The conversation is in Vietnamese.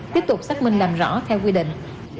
tiếp tục xác minh làm rõ theo quy định